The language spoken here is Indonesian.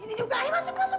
ini juga masuk masuk